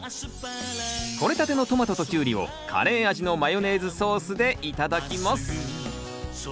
とれたてのトマトとキュウリをカレー味のマヨネーズソースで頂きます